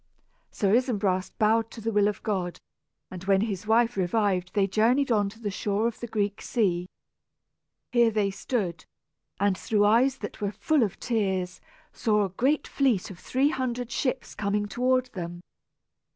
Sir Isumbras bowed to the will of God; and when his wife revived they journeyed on to the shore of the Greek sea. Here they stood, and, through eyes that were full of tears, saw a great fleet of three hundred ships coming toward them.